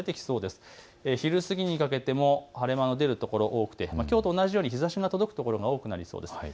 昼過ぎにかけても晴れ間の出る所が多くてきょうと同じように日ざしの出る所が多くなりそうです。